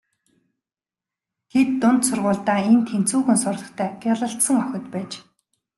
Тэд дунд сургуульдаа эн тэнцүүхэн сурлагатай гялалзсан охид байж.